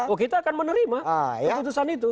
oh kita akan menerima keputusan itu